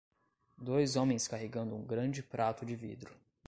Dois homens carregando um grande prato de vidro.